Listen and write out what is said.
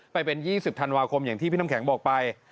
ไปเป็น๒๐ธันวาคมอย่างที่พี่น้ำแข็งบอกไป